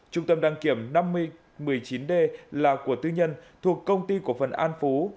trung tâm đăng kiểm năm một mươi chín d là của tư nhân thuộc công ty cổ phần an phú